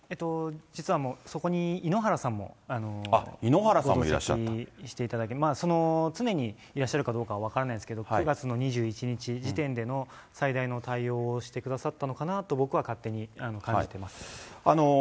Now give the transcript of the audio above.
実はもうそこに井ノ原さんも同席していただき、その、常にいらっしゃるかどうか分からないんですけど、９月の２１日時点での最大の対応をしてくださったのかなと僕は勝手に感じてます。